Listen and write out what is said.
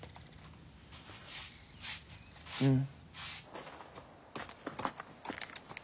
うん。